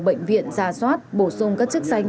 bệnh viện ra soát bổ sung các chức tranh